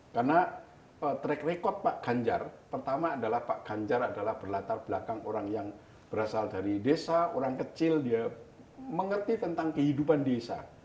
karena track record pak ganjar pertama adalah pak ganjar adalah berlatar belakang orang yang berasal dari desa orang kecil dia mengerti tentang kehidupan desa